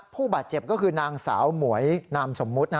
ผู้บาดเจ็บก็คือนางสาวหมวยนามสมมุติ